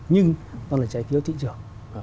nhưng nó là trái phiếu thị trường